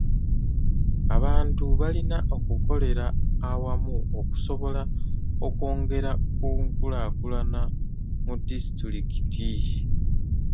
Abantu balina okukolera awamu okusobola okwongera ku nkulaakulana mu disitulikiti.